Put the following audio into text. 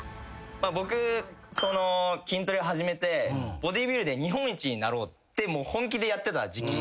僕筋トレを始めてボディビルで日本一になろうって本気でやってた時期。